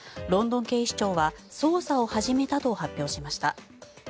ロンドン警視庁は捜査を始めたと発表しました。